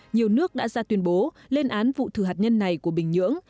nhiều nước đã ra tuyên bố lên án vụ thử hạt nhân này của bình nhưỡng